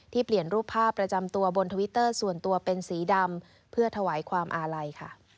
เปลี่ยนรูปภาพประจำตัวบนทวิตเตอร์ส่วนตัวเป็นสีดำเพื่อถวายความอาลัยค่ะ